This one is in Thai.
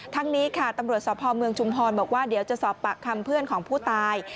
ทั้งนี้ค่ะตำรวจสพเมืองชุมพรบอกว่าเดี๋ยวจะสอบปากคำเพื่อนของผู้ตาย